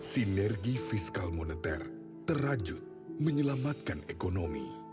sinergi fiskal moneter terajut menyelamatkan ekonomi